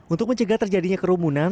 untuk mencegah terjadinya kerumunan